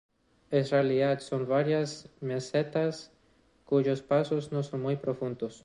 En realidad son varias mesetas, cuyos pasos no son muy profundos.